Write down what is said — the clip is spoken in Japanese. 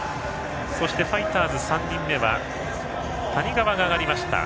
そしてファイターズ３人目は谷川が上がりました。